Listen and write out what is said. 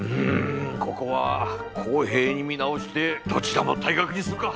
ここは公平に見直してどちらも退学にするか。